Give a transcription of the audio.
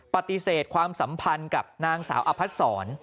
ปฏิเสธความสัมพันธ์กับนางสาวอพัดศร